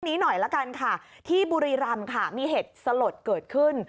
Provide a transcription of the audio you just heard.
นี้หน่อยละกันค่ะที่บุรีรำค่ะมีเหตุสลดเกิดขึ้น